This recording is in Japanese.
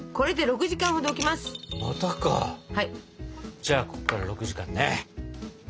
じゃあここから６時間ね。